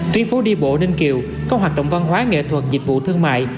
trên phố đi bộ ninh kiều có hoạt động văn hóa nghệ thuật dịch vụ thương mại